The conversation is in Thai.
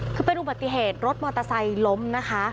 คือเป็นอุบัติเหตุรถมอเตอร์ไซค์ล้มนะคะ